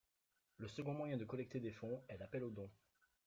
Le second moyen de collecter des fonds est l’appel au don.